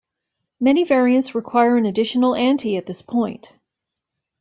Many variants require an additional ante at this point.